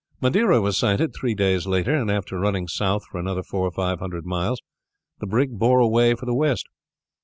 Madeira was sighted three days later, and after running south for another four or five hundred miles, the brig bore away for the west.